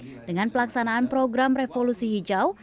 dengan baik dengan pelaksanaan program revolusi hijau